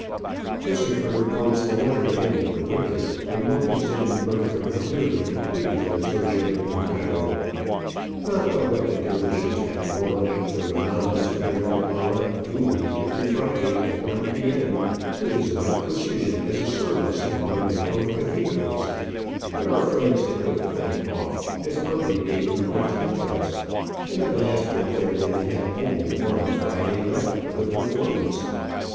This occurred towards the latter end of the winter, when Wilkinson and Bertram had nearly completed their sojourn in Cairo. Not but what the dervishes had roared out their monotonous prayer to Allah, duly every Friday, at 1 P.M., with as much precision as a service in one of your own cathedrals; but our friends had put the thing off, as hardly being of much interest, and at last went there when they had only one Friday left for the performance.